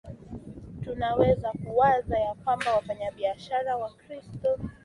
Tunaweza kuwaza ya kwamba wafanyabiashara Wakristo